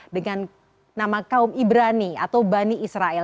dengan nama kaum ibrani atau bani israel